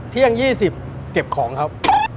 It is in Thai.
เที่ยง๒๐เก็บของครับ